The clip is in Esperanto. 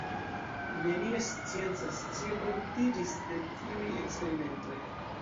Nenia scienca scio produktiĝis de tiuj eksperimentoj.